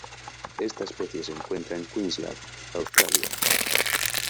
Esta especie se encuentra en Queensland, Australia.